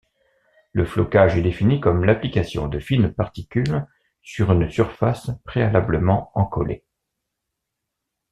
Le flocage est défini comme l'application de fines particules sur une surface préalablement encollée.